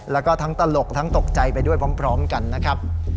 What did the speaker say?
แล้วก็ทั้งตลกทั้งตกใจไปด้วยพร้อมกันนะครับ